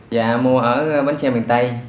và mua ở bến xe miền tây